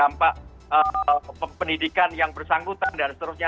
aspek psikologisnya bagaimana dampak pendidikan yang bersangkutan dan seterusnya